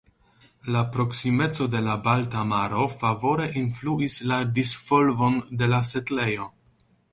La proksimeco de la Balta Maro favore influis la disvolvon de la setlejo.